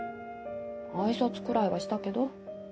挨拶くらいはしたけど。